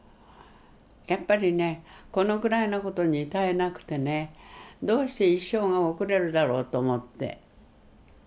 やっぱりねこのぐらいの事に耐えなくてねどうして一生が送れるだろうと思って。